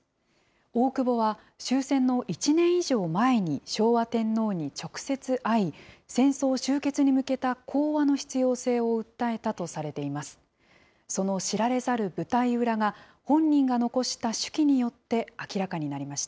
大久保は終戦の１年以上前に昭和天皇に直接会い、戦争終結に向けた講和の必要性を訴えたとされています。